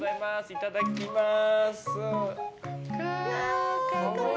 いただきます！